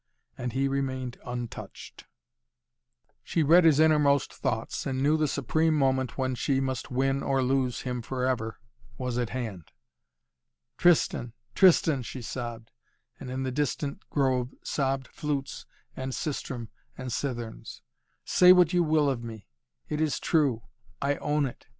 And he remained untouched. She read his innermost thoughts and knew the supreme moment when she must win or lose him forever was at hand. "Tristan Tristan," she sobbed and in the distant grove sobbed flutes and sistrum and citherns "say what you will of me; it is true. I own it.